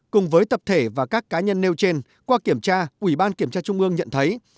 cùng với tập thể và các cá nhân nêu trên qua kiểm tra ủy ban kiểm tra trung ương nhận thấy